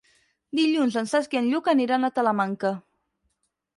Dilluns en Cesc i en Lluc aniran a Talamanca.